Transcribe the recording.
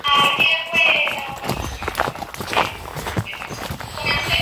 Fue la primera Miss Mundo Oriental de origen chino.